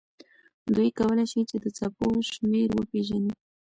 دوی کولی شي چې د څپو شمېر وپیژني.